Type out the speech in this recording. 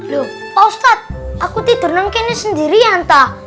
loh pak ustaz aku tidur nangkene sendirian tak